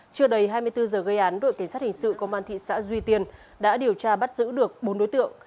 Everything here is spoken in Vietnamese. chưa đầy hai mươi bốn giờ gây án đội cảnh sát hình sự công an thị xã duy tiên đã điều tra bắt giữ được bốn đối tượng